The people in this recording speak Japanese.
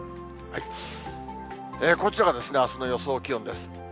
こちらがあすの予想気温です。